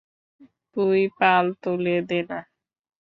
তুই পাল তুলে দে না।